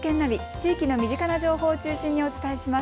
地域の身近な情報を中心にお伝えします。